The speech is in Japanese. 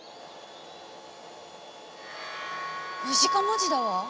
ムジカ文字だわ。